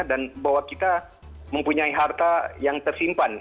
dan bahwa kita mempunyai harta yang tersimpan